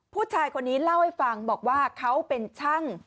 ผู้ชายคนนี้เล่าให้ฟังบอกว่าเขาเป็นช่าง